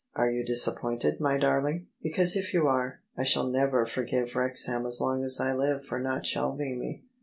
Are you disappointed, my darling? Because if you are, I shall never forgive Wrexham as long as I live for not shelv ing me."